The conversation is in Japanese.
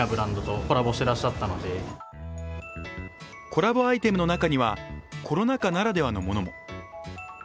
コラボアイテムの中にはコロナ禍ならではのものも。